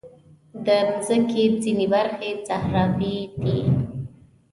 د مځکې ځینې برخې صحراوې دي.